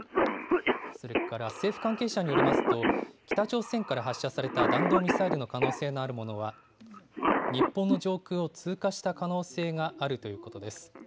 それから政府関係者によりますと、北朝鮮から発射された弾道ミサイルの可能性のあるものは、日本の上空を通過した可能性があるということです。